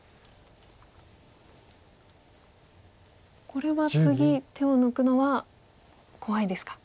これは次手を抜くのは怖いですか。